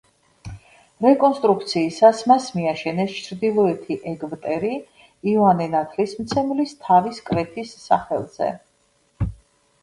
რეკონსტრუქციისას მას მიაშენეს ჩრდილოეთი ეგვტერი იოანე ნათლისმცემლის თავის კვეთის სახელზე.